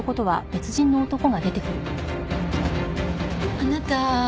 あなた。